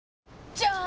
じゃーん！